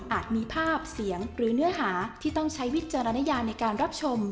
มีภาพเสียงหรือเนื้อหาที่ต้องใช้วิจารณญาในการรับชม